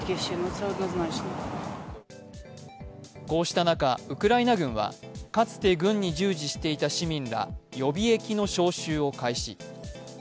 こうした中、ウクライナ軍はかつて軍に従事していた市民ら予備役の招集を開始。